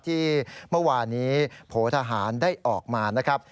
ที่เมื่อวานนี้โผทหารได้ออกมานะครับ